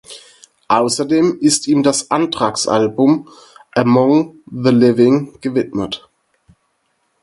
Außerdem ist ihm das Anthrax-Album Among the Living gewidmet.